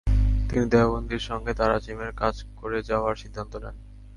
তিনি দেওবন্দির সঙ্গে তারাজিমের কাজ করে যাওয়ার সিদ্ধান্ত নেন।